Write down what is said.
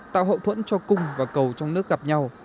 tạo hậu thuẫn cho cung và cầu trong nước gặp nhau